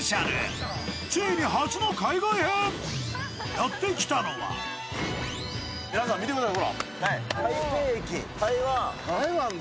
やってきたのは皆さん、見てください。